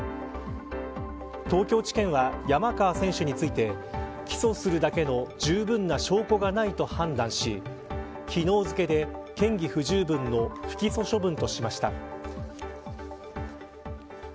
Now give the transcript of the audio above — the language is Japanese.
東京地検は山川選手について起訴するだけのじゅうぶんな証拠がないと判断し昨日付で嫌疑不十分の不起訴処分としました。